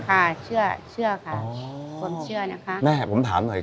ค่ะเชื่อเชื่อค่ะความเชื่อนะคะแม่ผมถามหน่อย